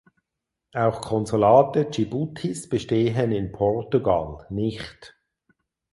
Auch Konsulate Dschibutis bestehen in Portugal nicht.